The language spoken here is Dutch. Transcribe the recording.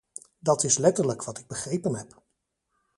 Dat is letterlijk wat ik begrepen heb.